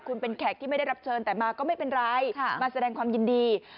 คุณเป็นแขกที่ไม่ได้รับเชิญแต่มาก็ไม่เป็นไรมาแสดงความยินดี